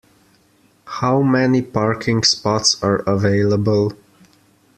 How many parking spots are available?